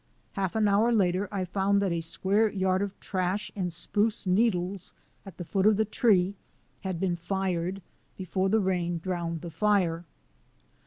Half an hour later I found that a square yard of trash and spruce needles at the foot of the tree had been fired before the rain drowned the fire.